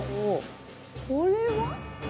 これは？